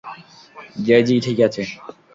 জ্যাজই ঠিক আছে।